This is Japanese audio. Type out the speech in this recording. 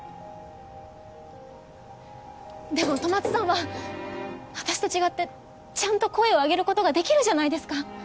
でも戸松さんは私と違ってちゃんと声を上げることができるじゃないですか。